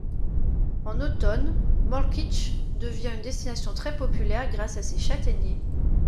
En automne, Mollkirch devient une destination très populaire grâce à ses châtaigniers.